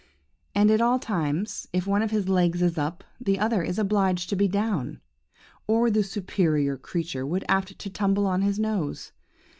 And at all times, if one of his legs is up, the other is obliged to be down, or the superior creature would be apt to tumble on his nose.